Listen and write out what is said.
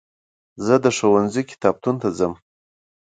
زه د ښوونځي کتابتون ته ځم.